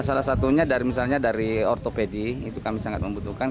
salah satunya dari misalnya dari ortopedi itu kami sangat membutuhkan